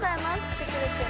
来てくれて。